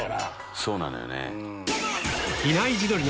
そうなのよね。